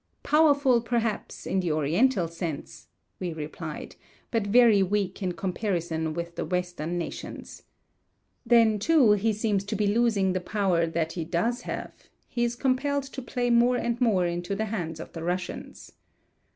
"Powerful, perhaps, in the Oriental sense," we replied, "but very weak in comparison with the Western nations. Then, too, he seems to be losing the power that he does have — he is compelled to play more and more into the hands of the Russians."